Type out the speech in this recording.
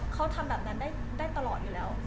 เขาทำแบบนั้นได้ตลอดอยู่แล้ว